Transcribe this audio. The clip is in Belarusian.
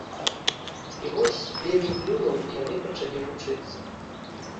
І вось, певень клюнуў, і яны пачалі вучыцца.